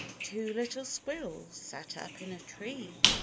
T WO little squirrels sat up in a tree.